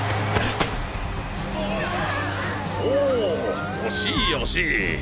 おっ惜しい惜しい。